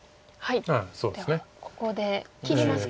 ここで切りますか。